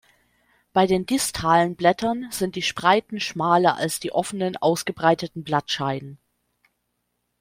Bei den distalen Blättern sind die Spreiten schmaler als die offenen, ausgebreiteten Blattscheiden.